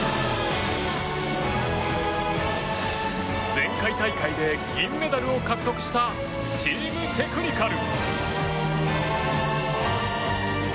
前回大会で銀メダルを獲得したチームテクニカル。